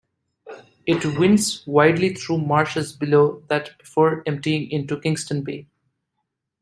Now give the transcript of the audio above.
It winds widely through marshes below that before emptying into Kingston Bay.